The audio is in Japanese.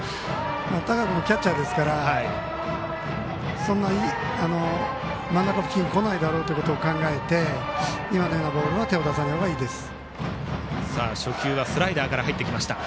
田川君もキャッチャーですからそんな真ん中付近はこないだろうと考えて今のようなボールは手を出さない方がいいです。